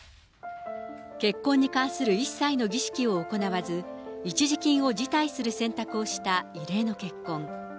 結婚に関する一切の儀式を行わず、一時金を辞退する選択をした異例の結婚。